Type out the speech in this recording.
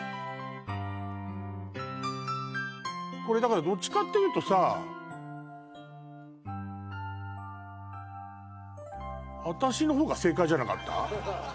これだからどっちかっていうとさ私の方が正解じゃなかった？